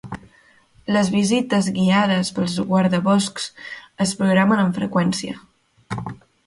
Les visites guiades pels guardaboscs es programen amb freqüència.